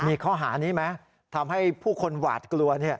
มีข้อหานี้ไหมทำให้ผู้คนหวาดกลัว